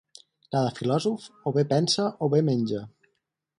Cada filòsof o bé pensa o bé menja.